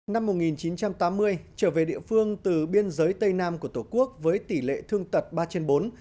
năm một nghìn chín trăm tám mươi trở về địa phương từ biên giới tây nam của tổ quốc với tỷ lệ thương tật ba trên bốn